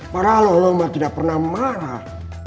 para allah allah tidak pernah marah